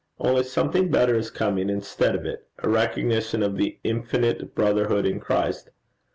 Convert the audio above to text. Only something better is coming instead of it a recognition of the infinite brotherhood in Christ.